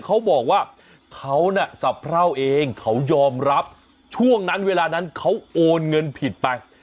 เขาบอกว่าเขาน่ะสะเพราเองเขายอมรับช่วงนั้นเวลานั้นเขาโอนเงินผิดไป